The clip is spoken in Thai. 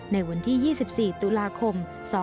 ในวันที่๒๔ตุลาคม๒๕๖๒